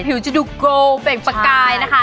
ผิวจะดูโกลด์เปล่งประกายนะคะใช่